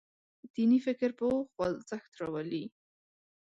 دیني فکر په خوځښت راولي.